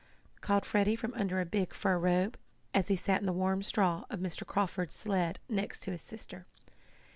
called Freddie from under a big fur robe, as he sat in the warm straw of Mr. Carford's sled next to his sister.